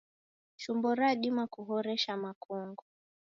Chumbo radima kuhoresha makongo